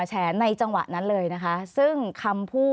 ขอบคุณครับ